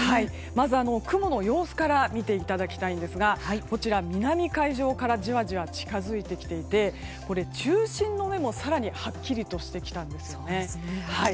まず、雲の様子から見ていただきたいんですが南海上からじわじわ近づいてきていて中心の目も更にはっきりとしてきたんです。